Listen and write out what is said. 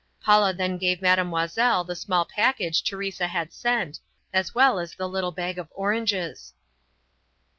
Paula then gave Mademoiselle the small package Teresa had sent, as well as the little bag of oranges.